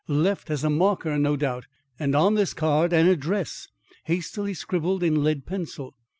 left as a marker, no doubt, and on this card, an address hastily scribbled in lead pencil.